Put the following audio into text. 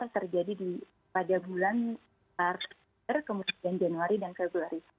terjadi pada bulan maret kemudian januari dan februari